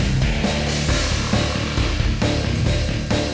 insya insya menikah melewah baptista lo